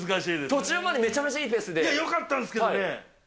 途中までめちゃめちゃいいペよかったんですけどね。